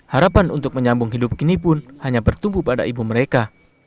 harapan untuk menyambung hidup ini pun hanya bertumbuh pada ibu mereka